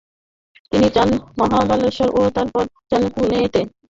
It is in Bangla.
তিনি যান মহাবালেশ্বর এবং তারপর যান পুণেতে।